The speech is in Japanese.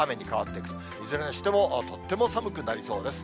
いずれにしても、とっても寒くなりそうです。